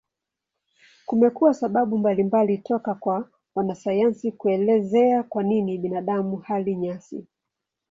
Kumekuwa sababu mbalimbali toka kwa wanasayansi kuelezea kwa nini binadamu hali nyasi.